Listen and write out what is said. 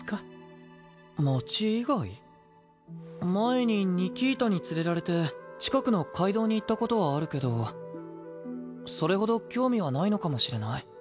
前にニキータに連れられて近くの街道に行ったことはあるけどそれほど興味はないのかもしれない。